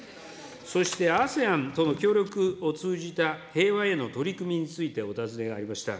そしてＡＳＥＡＮとの協力を通じた平和への取り組みについてお尋ねがありました。